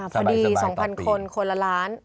พอดี๒๐๐คนคนละล้าน